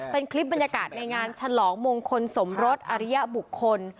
เป็นคลิปบรรยากาศในงานฉลองมงคลสมรสอริยบุคคล